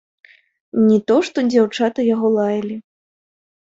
Не то што дзяўчаты яго лаялі.